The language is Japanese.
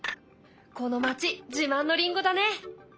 この町自慢のりんごだね。